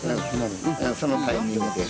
そのタイミングで。